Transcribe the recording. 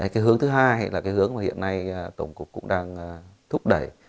cái hướng thứ hai là cái hướng mà hiện nay tổng cục cũng đang thúc đẩy